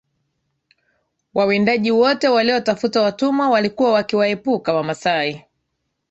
Wawindaji wote waliotafuta watumwa walikuwa wakiwaepuka Wamasai